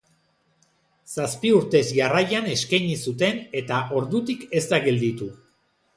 Zazpi urtez jarraian eskaini zuten eta ordutik ez da gelditu.